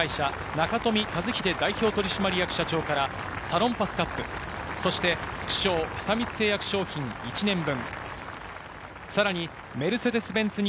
久光製薬株式会社、中冨一榮代表取締役社長からサロンパスカップ、そして副賞は久光製薬商品１年分。